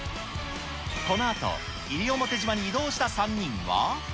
このあと西表島に移動した３人は。